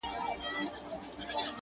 د خان د کوره خو پخه نۀ راځي .